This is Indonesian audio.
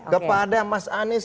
kepada mas anies